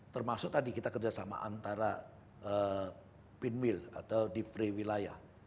termasuk tadi kita kerjasama antara pinwil atau di free wilayah